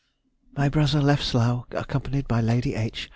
_—My brother left Slough, accompanied by Lady H.